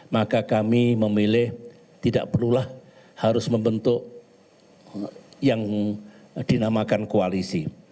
maka kami memilih tidak perlulah harus membentuk yang dinamakan koalisi